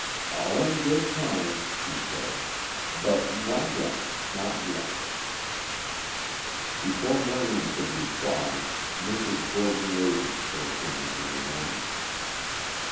"All in good time," he said; "but not yet, not yet." Before Marion could reply, Mrs. Gordon Ravenspur came into the room.